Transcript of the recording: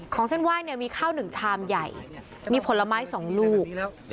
ของเส้นไหว้เนี่ยมีข้าวหนึ่งชามใหญ่มีผลไม้สองลูก